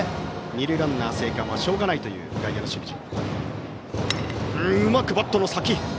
二塁ランナー生還はしょうがないという外野の守備陣。